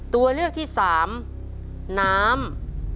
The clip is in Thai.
ตัวเลือกที่๓น้ำ